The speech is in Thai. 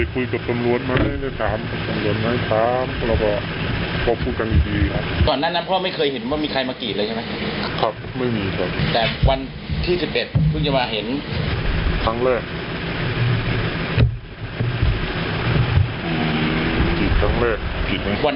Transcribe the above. ครับขอโทษต้องมีอีก